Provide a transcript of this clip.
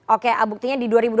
oke buktinya di dua ribu dua puluh